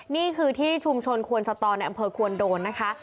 นี่คือที่ชุมชนควนสตอในอำเภอควรโดนนะคะ